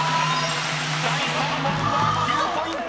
［第３問は９ポイント！］